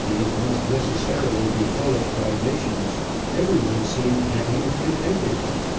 must necessarily be full of privations, everyone seemed happy and contented.